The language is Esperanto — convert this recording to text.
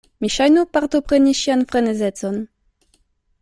Mi ŝajnu partopreni ŝian frenezecon.